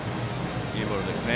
いいボールでしたね。